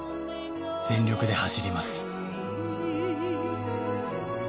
「全力で走ります」